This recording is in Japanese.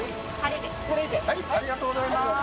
織譴如ありがとうございます。